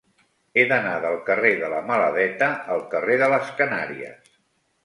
He d'anar del carrer de la Maladeta al carrer de les Canàries.